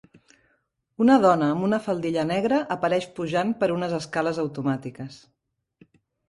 Una dona amb una faldilla negra apareix pujant per unes escales automàtiques.